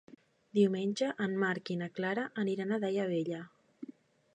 Diumenge en Marc i na Clara aniran a Daia Vella.